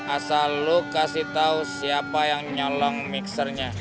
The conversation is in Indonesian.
asal lu kasih tau siapa yang nyolong mixernya